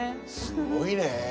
すごいね。